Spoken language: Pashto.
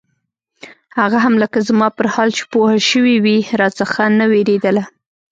هغه هم لکه زما پر حال چې پوهه سوې وي راڅخه نه وېرېدله.